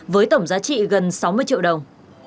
với tổng giá trị gần sáu mươi triệu đồng